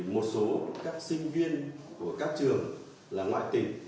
một số các sinh viên của các trường là ngoại tỉnh